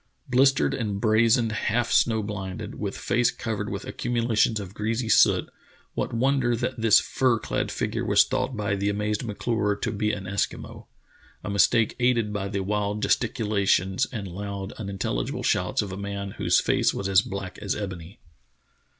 Blistered and brazened, half snow blinded, with face covered with accumulations of greasy soot, what wonder that this fur clad figure was thought by the amazed M'Clure to be an Eskimo, a mistake aided by the wild gesticula tions and loud, unintelligible shouts of a man whose face was as black as ebony.